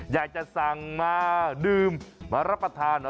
อยากจะสั่งมาดื่มมารับประทาน